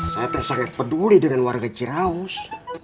saya sangat peduli dengan warga ciraus